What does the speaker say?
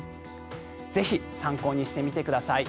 ぜひ参考にしてみてください。